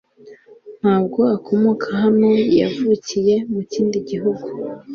Ntabwo akomoka hano. Yavukiye mu kindi gihugu.